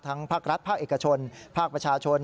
ภาครัฐภาคเอกชนภาคประชาชน